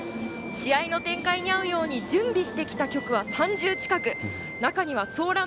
試合の展開に合うように準備してきた曲は３０近く。